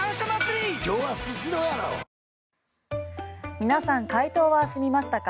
皆さん、解答は済みましたか？